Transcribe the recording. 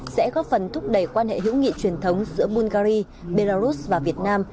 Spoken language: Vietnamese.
sẽ góp phần thúc đẩy quan hệ hữu nghị truyền thống giữa bungary belarus và việt nam